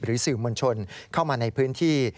สื่อมวลชนเข้ามาในพื้นที่